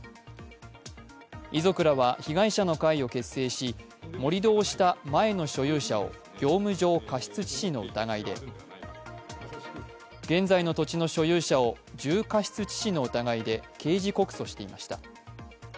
遺族らは被害者の会を結成し、盛り土をした前の所有者を業務上過失致死の疑いで、現在の土地の所有者を重過失致死の疑いで刑事告訴していました。